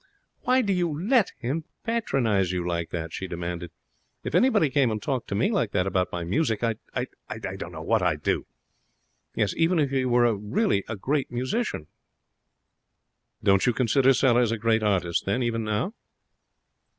'Why do you let him patronize you like that?' she demanded. 'If anybody came and talked to me like that about my music, I'd I'd I don't know what I'd do. Yes, even if he were really a great musician.' 'Don't you consider Sellers a great artist, then, even now?'